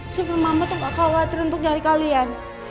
sebelum mama tak khawatir untuk dari kalian